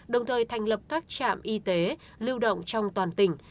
đồng thời thành lập các trạm y tế lưu động trong toàn tỉnh